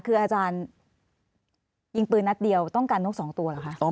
คืออาจารย์ยิงปืนนัดเดียวต้องการนก๒ตัวเหรอคะ